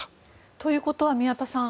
ということは宮田さん